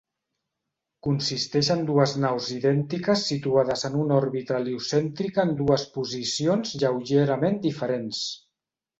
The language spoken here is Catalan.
Consisteix en dues naus idèntiques situades en una òrbita heliocèntrica en dues posicions lleugerament diferents.